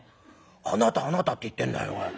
『あなたあなた』って言ってんだよ。